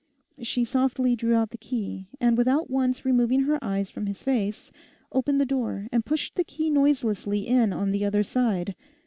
She softly drew out the key, and without once removing her eyes from his face, opened the door and pushed the key noiselessly in on the other side.